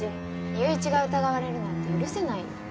友一が疑われるなんて許せないよ。